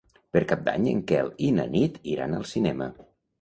Per Cap d'Any en Quel i na Nit iran al cinema.